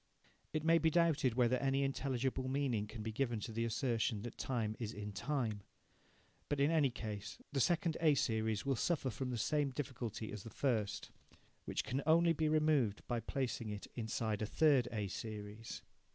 It may be doubted whether any intelligible meaning can be given to the assertion that time is in time. But, in any case, the second A series will suffer from the same difficulty as the first, which can only be removed by placing it inside a third A series.